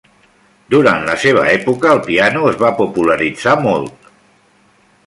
Durant la seva època, el piano es va popularitzar molt.